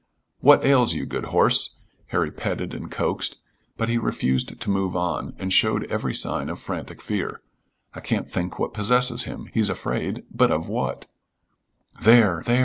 "What ails you? Good horse." Harry petted and coaxed, but he refused to move on, and showed every sign of frantic fear. "I can't think what possesses him. He's afraid, but of what?" "There! There!"